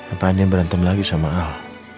apa adi berantem lagi sama al